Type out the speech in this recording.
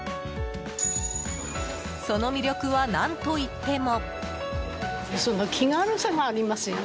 その魅力は何といっても。